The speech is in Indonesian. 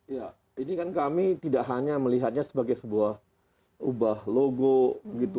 ya ini kan kami tidak hanya melihatnya sebagai sebuah ubah logo gitu